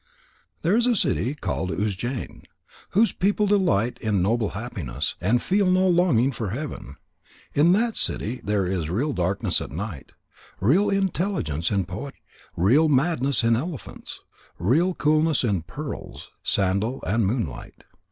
There is a city called Ujjain, whose people delight in noble happiness, and feel no longing for heaven. In that city there is real darkness at night, real intelligence in poetry, real madness in elephants, real coolness in pearls, sandal, and moonlight.